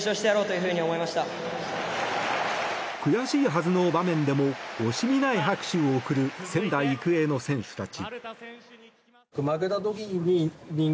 悔しいはずの場面でも惜しみない拍手を送る仙台育英の選手たち。